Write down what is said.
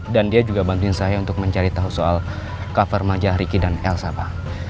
dan dia juga bantuin saya untuk mencari tahu soal cover majalah ricky dan elsa pak